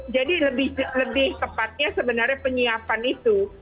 jadi lebih tepatnya sebenarnya penyiapan itu